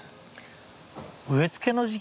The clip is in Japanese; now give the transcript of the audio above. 植え付けの時期？